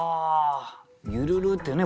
「揺るる」ってね